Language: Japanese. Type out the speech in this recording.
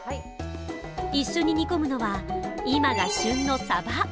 一緒に煮込むのは、今が旬のさば。